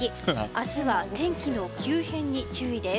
明日は天気の急変に注意です。